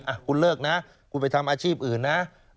อ่ะคุณเลิกนะคุณไปทำอาชีพอื่นนะ